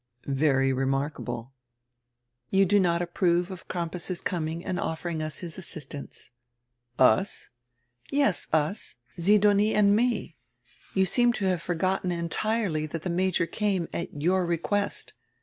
"Very remarkable." "You do not approve of Crampas's coming and offering us his assistance." "Us?" "Yes, us. Sidonie and me. You seem to have forgotten entirely diat die Major came at your request.